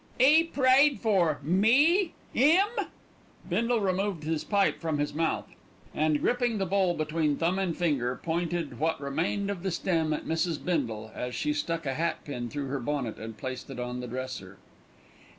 "'E prayed for me 'im?" Bindle removed his pipe from his mouth, and gripping the bowl between thumb and finger, pointed what remained of the stem at Mrs. Bindle, as she stuck a hat pin through her bonnet and placed it on the dresser.